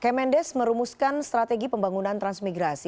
kemendes merumuskan strategi pembangunan transmigrasi